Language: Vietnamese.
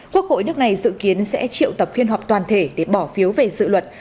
quốc hội nước này dự kiến sẽ triệu tập phiên họp toàn thể để bỏ phiếu về dự luật